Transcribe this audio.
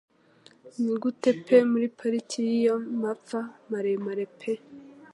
nigute pe muri parike yiyo mapfa maremare pe